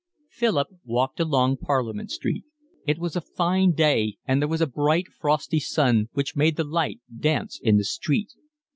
Philip walked along Parliament Street. It was a fine day, and there was a bright, frosty sun which made the light dance in the street.